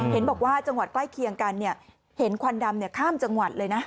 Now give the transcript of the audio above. เห็นบอกว่าจังหวัดใกล้เคียงกันเห็นควันดำข้ามจังหวัดเลยนะ